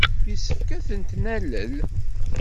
Yessefk ad tent-nalel.